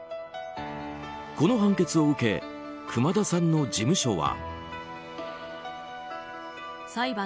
この判決を受け熊田さんの事務所は。